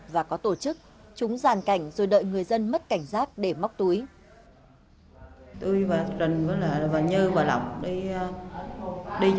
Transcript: và tổ chức chúng giàn cảnh rồi đợi người dân mất cảnh giáp để móc túi